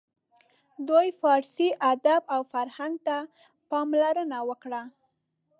دوی فارسي ادب او فرهنګ ته پاملرنه وکړه.